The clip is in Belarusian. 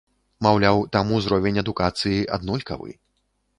Маўляў, там узровень адукацыі аднолькавы.